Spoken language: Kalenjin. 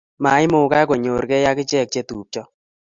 maimugak konyor gei ak ichek chetupcho